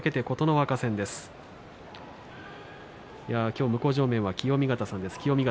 今日向正面は清見潟さんです。